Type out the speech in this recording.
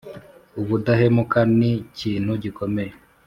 ubudahemuka ni kintu gikomeye